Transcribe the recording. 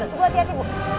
sebentar bu hati hati